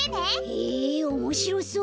へえおもしろそう。